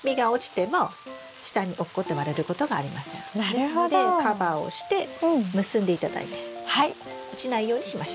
ですのでカバーをして結んで頂いて落ちないようにしましょう。